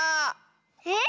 えっ？